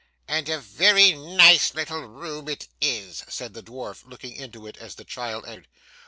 'And a very nice little room it is!' said the dwarf looking into it as the child entered.